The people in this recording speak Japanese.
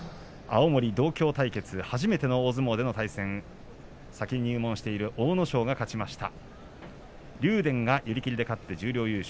青森同郷対決、初めて大相撲での対戦先に入門している阿武咲が勝ちました。